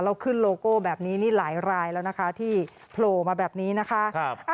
ขึ้นโลโก้แบบนี้นี่หลายรายแล้วนะคะที่โผล่มาแบบนี้นะคะ